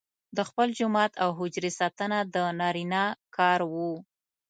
د خپل جومات او حجرې ساتنه د نارینه کار وو.